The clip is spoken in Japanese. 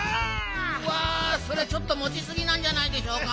わそれはちょっともちすぎなんじゃないでしょうか？